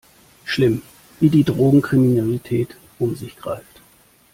Schlimm, wie die Drogenkriminalität um sich greift!